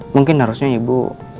mungkin harusnya ibu